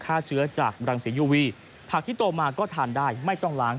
ฆ่าเชื้อจากรังสียูวีผักที่โตมาก็ทานได้ไม่ต้องล้าง